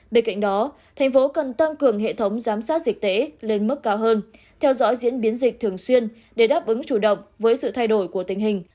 bên cạnh đó thành phố cần tăng cường hệ thống giám sát dịch tễ lên mức cao hơn theo dõi diễn biến dịch thường xuyên để đáp ứng chủ động với sự thay đổi của tình hình